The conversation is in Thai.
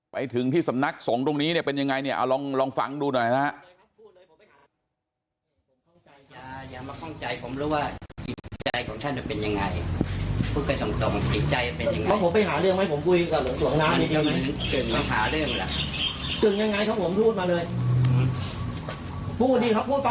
ไปถึงที่สำนักส่งตรงนี้เป็นยังไงลองฟังดูหน่อยนะครับ